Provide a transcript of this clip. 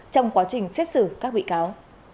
trong quá trình xét xử các bị cáo